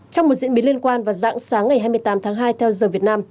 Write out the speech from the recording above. trong một diễn biến liên quan và dãng sáng ngày hai mươi tám tháng hai theo giờ việt nam